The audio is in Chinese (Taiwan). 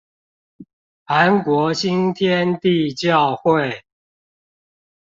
韓國新天地教會